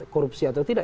korupsi atau tidak